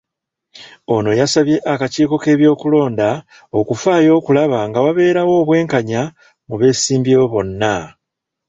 Ono asabye akakiiko k'ebyokulonda okufaayo okulaba nga wabeerawo obwenkanya mu beesimbyewo bonna.